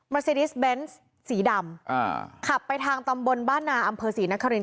ซิดิสเบนส์สีดำอ่าขับไปทางตำบลบ้านนาอำเภอศรีนคริน